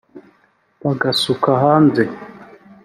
bagasuka hanze